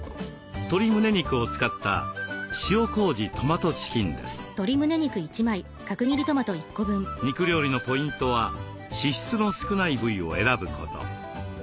鶏むね肉を使った肉料理のポイントは脂質の少ない部位を選ぶこと。